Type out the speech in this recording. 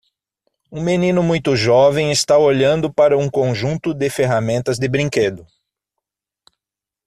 Um menino muito jovem está olhando para um conjunto de ferramentas de brinquedo.